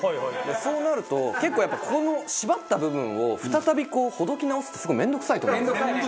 そうなると結構やっぱこの縛った部分を再びほどき直すってすごい面倒くさいと思うんですよ。